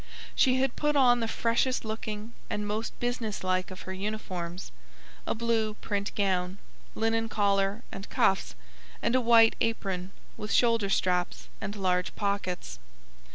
She had put on the freshest looking and most business like of her uniforms, a blue print gown, linen collar and cuffs, and a white apron with shoulder straps and large pockets.